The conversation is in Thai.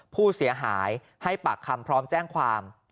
ผู้เสียหายให้ปากคำพร้อมแจ้งความ